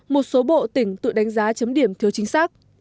một số bộ tỉnh tự đánh giá chấm điểm thiếu chính xác